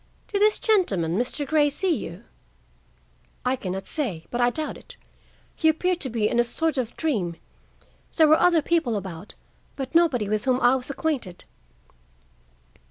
"Did this gentleman—Mr. Grey—see you?" "I can not say, but I doubt it. He appeared to be in a sort of dream. There were other people about, but nobody with whom I was acquainted."